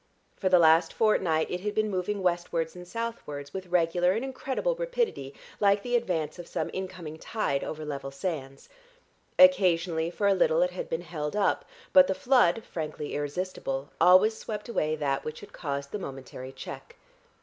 For the last fortnight it had been moving westwards and southwards with regular and incredible rapidity like the advance of some incoming tide over level sands. Occasionally for a little it had been held up, but the flood, frankly irresistible, always swept away that which had caused the momentary check....